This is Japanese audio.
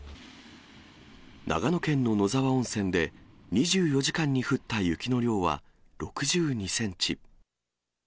長野県の野沢温泉で２４時間に降った雪の量は６２センチ。